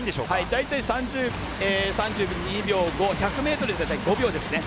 大体、３２秒５１００ｍで５秒ですね